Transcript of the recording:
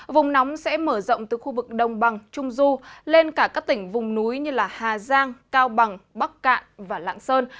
vùng nóng sẽ mở rộng từ khu vực đồng bằng trung du lên cả các tỉnh vùng núi như hà giang cao bằng bắc cạn và lạng sơn